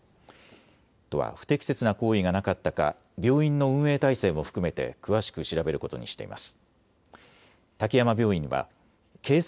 都は不適切な行為がなかったか病院の運営体制も含めて詳しく調べることにしています。